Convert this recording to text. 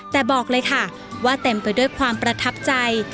แต่บอกเลยค่ะว่าเต็มไปด้วยความประทับใจ